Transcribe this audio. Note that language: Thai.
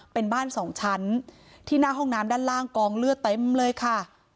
เป็นบ้านสองชั้นที่หน้าห้องน้ำด้านล่างกองเลือดเต็มเลยค่ะ